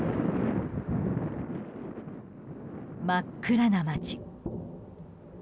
真っ黒な街。